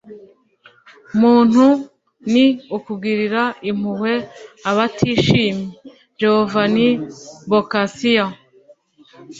muntu ni ukugirira impuhwe abatishimye. - giovanni boccaccio